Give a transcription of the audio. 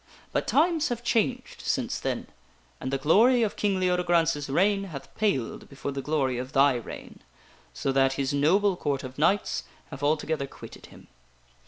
" But times have changed since then, and the glory of King Leode grance's reign hath paled before the glory of thy reign, so that his noble Court of knights have altogether quitted him.